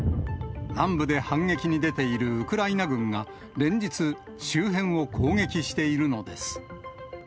南部で反撃に出ているウクライナ軍が連日、周辺を攻撃しているのです。